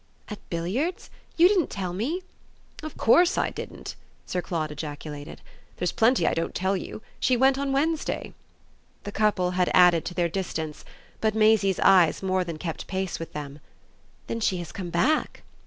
"At billiards? You didn't tell me." "Of course I didn't!" Sir Claude ejaculated. "There's plenty I don't tell you. She went on Wednesday." The couple had added to their distance, but Maisie's eyes more than kept pace with them. "Then she has come back."